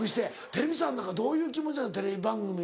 デヴィさんなんかどういう気持ちなのテレビ番組。